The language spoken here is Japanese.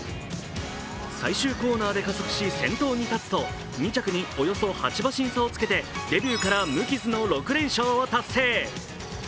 最終コーナーで加速し先頭に立つと２着におよそ８馬身差をつけて、デビューから無傷の６連勝を達成。